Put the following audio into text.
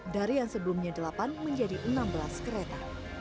dari yang sebelumnya delapan menjadi enam belas kereta